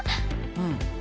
うん。